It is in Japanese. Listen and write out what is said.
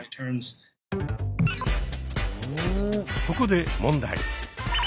ここで問題。